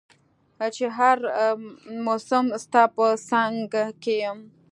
چي هر مسم ستا په څنګ کي يم